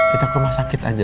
kita ke rumah sakit aja